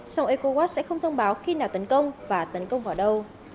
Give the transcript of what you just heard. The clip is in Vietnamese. song ecowas sẽ không thông báo khi nào tấn công và tấn công vào đâu